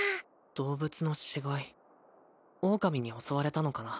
動物の死骸オオカミに襲われたのかな？